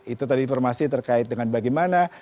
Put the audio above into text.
itu tadi informasi terkait dengan bagaimana